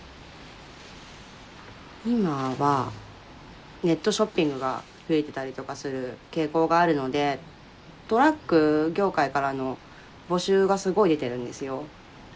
今はネットショッピングが増えてたりとかする傾向があるのでトラック業界からの募集がすごい出てるんですよ。